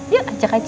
yuk ajak aja